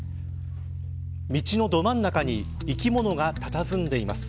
道のど真ん中に生き物がたたずんでいます。